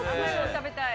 食べたい。